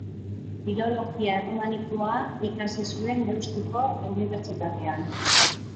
Filologia Erromanikoa ikasi zuen Deustuko Unibertsitatean.